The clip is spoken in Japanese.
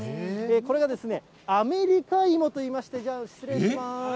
これがですね、あめりか芋といいまして、じゃあ、失礼します。